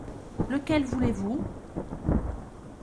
Lequel voulez-vous ?